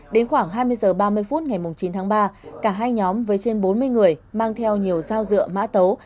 đến khoảng hai mươi h ba mươi phút ngày chín tháng ba cả hai nhóm với trên bốn mươi người mang theo nhiều dao dựa mã tấu